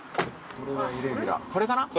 これかな？